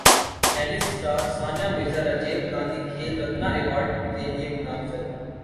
tennis star Sania Mirza Rajiv Gandhi Khel Ratna ایوارڈکیلئے نامزد